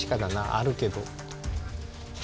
あるけど。